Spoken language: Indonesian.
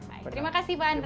terima kasih pak andre